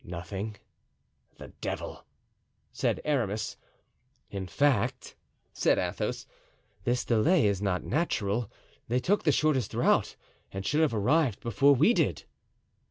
"Nothing." "The devil!" said Aramis. "In fact," said Athos, "this delay is not natural; they took the shortest route and should have arrived before we did."